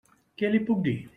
Què li puc dir?